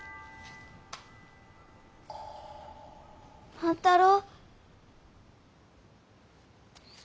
万太郎？